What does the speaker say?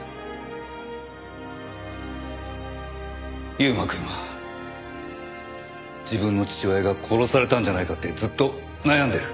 優馬くんは自分の父親が殺されたんじゃないかってずっと悩んでる。